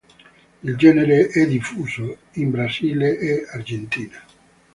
Il genere è diffuso in Brasile e Argentina.